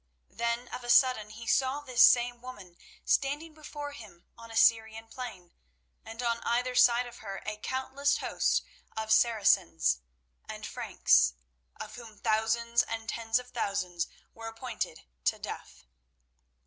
Then of a sudden he saw this same woman standing before him on a Syrian plain, and on either side of her a countless host of Saracens and Franks, of whom thousands and tens of thousands were appointed to death.